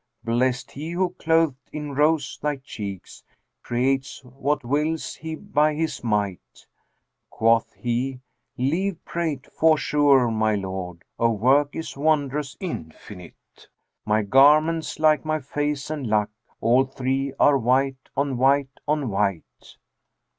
Blest He who clothed in rose thy cheeks, * Creates what wills He by His might!' Quoth he, 'Leave prate, forsure my Lord * Of works is wondrous infinite: My garment's like my face and luck; * All three are white on white on white.'"